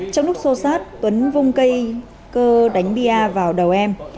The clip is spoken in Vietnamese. trong lúc xô xát tuấn vung cây cơ đánh bia vào đầu em